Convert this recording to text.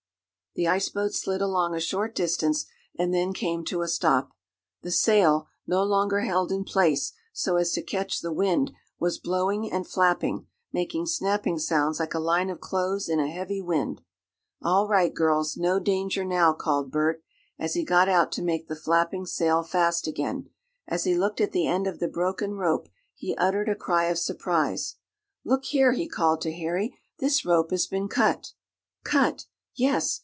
The ice boat slid along a short distance, and then came to a stop. The sail, no longer held in place so as to catch the wind, was blowing and flapping, making snapping sounds like a line of clothes in a heavy wind. "All right, girls, no danger now," called Bert, as he got out to make the flapping sail fast again. As he looked at the end of the broken rope he uttered a cry of surprise. "Look here!" he called to Harry, "this rope has been cut!" "Cut?" "Yes.